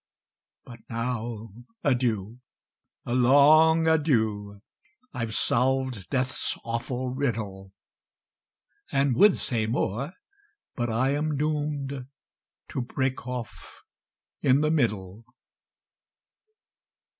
"But now, adieu a long adieu! I've solved death's awful riddle, And would say more, but I am doomed To break off in the middle!"